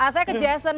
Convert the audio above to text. saya ke jason